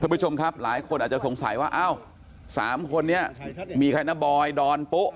ผู้ชมครับหลายคนอาจจะสงสัยว่าอ้าวสามคนนี้มีใครนะบอยดอนปุ๊